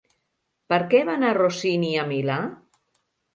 Per què va anar Rossini a Milà?